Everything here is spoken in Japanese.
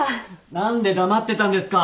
何で黙ってたんですか！